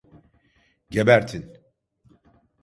Gebertin!